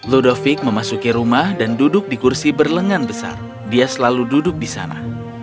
ludovic memasuki rumah dan duduk di kursi berlengan besar dia selalu duduk di sana